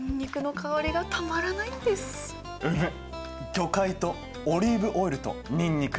魚介とオリーブオイルとにんにく。